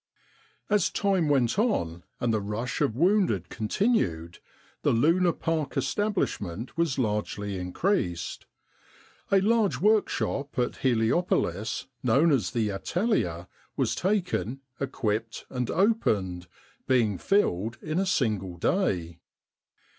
As time went on, and the rush of wounded con tinued, the Luna Park establishment was largely increased. A large workshop at Heliopolis, known as The Atelier, was taken, equipped and opened, being filled in a single day.